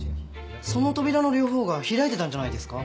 その扉の両方が開いてたんじゃないですか？